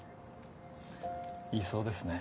言いそうですね。